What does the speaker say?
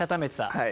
「はい」